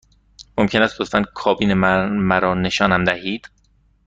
ممکن است لطفاً کابین مرا نشانم دهید؟